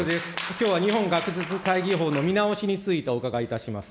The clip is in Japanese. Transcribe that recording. きょうは日本学術会議のほうの見直しについてお伺いいたします。